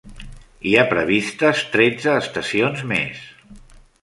Hi ha previstes tretze estacions més.